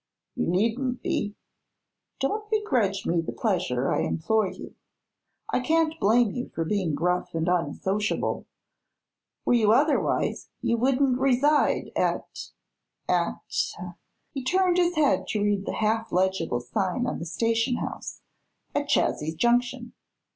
"You needn't be." "Don't begrudge me the pleasure, I implore you. I can't blame you for being gruff and unsociable; were you otherwise you wouldn't reside at at " he turned his head to read the half legible sign on the station house, "at Chazy Junction.